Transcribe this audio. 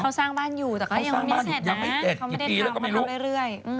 เขาสร้างบ้านอยู่แต่ก็ยังไม่เสร็จนะเขาไม่ได้ทำเขาทำเรื่อย